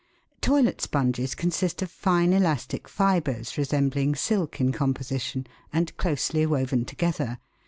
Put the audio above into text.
Toilet sponges consist of fine elastic fibres, resembling silk in composition, and closely woven together.